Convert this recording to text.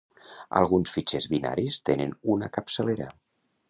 Alguns fitxers binaris tenen una capçalera.